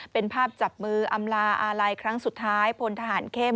เป็นภาพจับมืออำลาอาลัยครั้งสุดท้ายพลทหารเข้ม